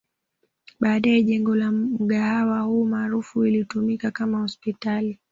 Baadae jengo la mgahawa huu maarufu lilitumika kama hospitali